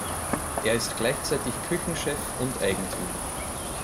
Er ist gleichzeitig Küchenchef und Eigentümer.